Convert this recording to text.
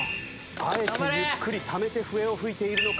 あえてゆっくりためて笛を吹いているのか？